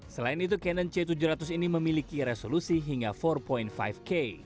selain itu canon c tujuh ratus ini memiliki resolusi hingga empat lima k